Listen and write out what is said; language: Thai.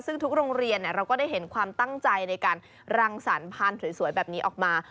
ซึ่งทุกโรงเรียนเราก็ได้เห็นความตั้งใจในการรังสรรพานสวยแบบนี้ออกมา